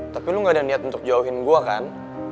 tapi lu gak ada niat untuk jauhin gue kan